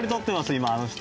今あの人。